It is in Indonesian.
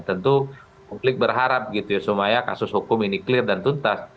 tentu publik berharap gitu ya supaya kasus hukum ini clear dan tuntas